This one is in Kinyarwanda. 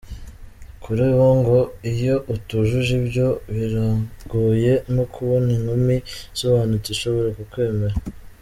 Kuri bo ngo, iyo utujuje ibyo, biragoye no kubona inkumi isobanutse ishobora kukwemera.